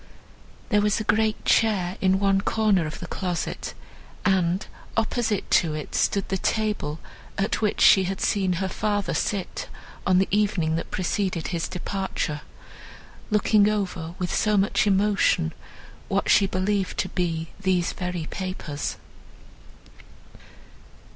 There was a great chair in one corner of the closet, and, opposite to it, stood the table, at which she had seen her father sit, on the evening that preceded his departure, looking over, with so much emotion, what she believed to be these very papers.